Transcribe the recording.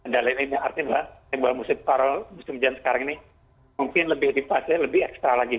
dan lain lain yang artinya bahwa musim kemarau musim hujan sekarang ini mungkin lebih dipasang lebih ekstra lagi